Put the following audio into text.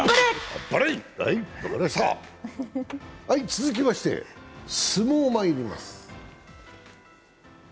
続きまして相撲、まいります。